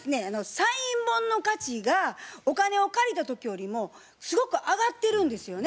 サイン本の価値がお金を借りた時よりもすごく上がってるんですよね。